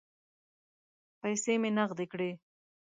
پیسې مې نغدې کړې.